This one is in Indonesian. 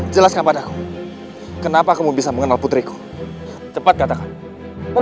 bopo jakka kami datang kesini bukan untuk bertarung